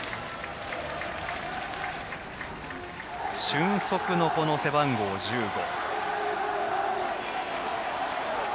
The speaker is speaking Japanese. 俊足の背番号１５。